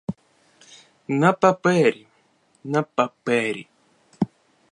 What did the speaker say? На папері, на папері!